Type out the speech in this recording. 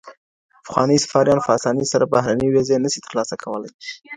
پخواني سفیران په اسانۍ سره بهرنۍ ویزې نه سي ترلاسه کولای.